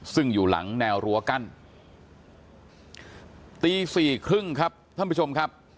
ซึ่งอยู่หลังแนวรั้วกั้นตีสี่ครึ่งครับท่านผู้ชมครับ